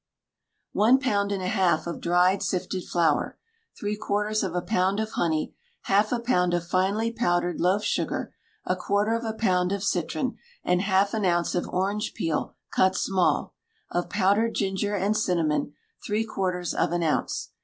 One pound and a half of dried sifted flour, three quarters of a pound of honey, half a pound of finely powdered loaf sugar, a quarter of a pound of citron, and half an ounce of orange peel cut small, of powdered ginger and cinnamon, three quarters of an ounce.